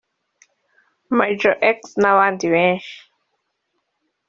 Major-X n’abandi benshi